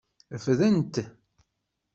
Refden-t.